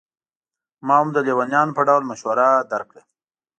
ما هم د لېونیانو په ډول مشوره درکړه.